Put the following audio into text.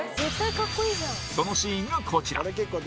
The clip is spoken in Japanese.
そのシーンがこちら。